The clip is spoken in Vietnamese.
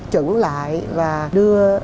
chững lại và đưa